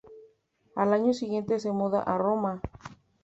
Al año siguiente se muda a Roma.